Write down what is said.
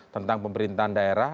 tentang pemerintahan daerah